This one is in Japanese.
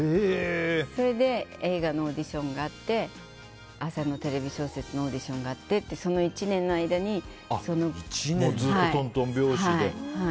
それで映画のオーディションがあって朝のテレビ小説のオーディションがあってずっと、とんとん拍子で。